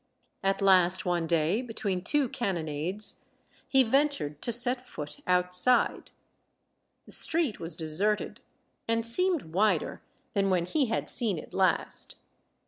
At last one day, between two cannonades, he ventured to set foot outside. The street was deserted, and seemed wider than when he had seen it last.